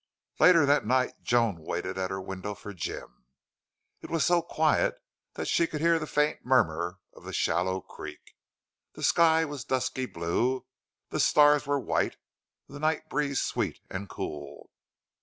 Later that night Joan waited at her window for Jim. It was so quiet that she could hear the faint murmur of the shallow creek. The sky was dusky blue; the stars were white, the night breeze sweet and cool.